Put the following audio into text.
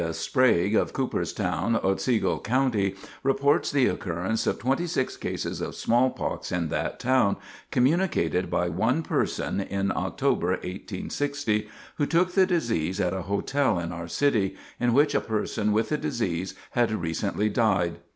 S. Sprague, of Cooperstown, Otsego County, reports the occurrence of twenty six cases of smallpox in that town, communicated by one person in October, 1860, who took the disease at a hotel in our city, in which a person with the disease had recently died.